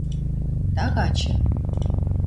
Тагачы